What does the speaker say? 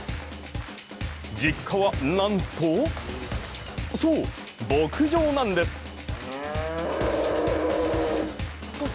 実家はなんとそう牧場なんです。